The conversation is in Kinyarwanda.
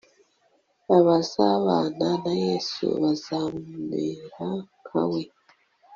abazabana na yesu bazamera nka we